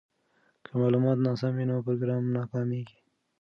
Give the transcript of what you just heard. که معلومات ناسم وي نو پروګرام ناکامیږي.